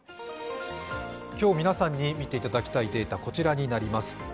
今日皆さんに見ていただきたいデータ、こちらになります。